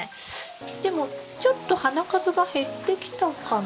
でもちょっと花数が減ってきたかな？